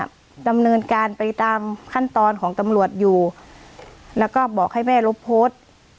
ก็ดำเนินการไปตามขั้นตอนของตำรวจอยู่แล้วก็บอกให้แม่ลบโพสต์